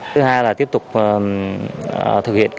thứ hai là tiếp tục thực hiện